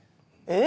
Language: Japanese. え？